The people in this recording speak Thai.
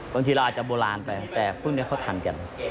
บางทีเราอาจจะโบราณไปแต่พวกนี้เขาทันกัน